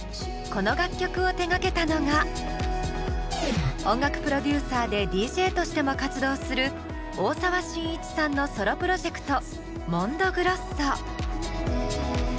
この楽曲を手がけたのが音楽プロデューサーでＤＪとしても活動する大沢伸一さんのソロプロジェクトＭＯＮＤＯＧＲＯＳＳＯ。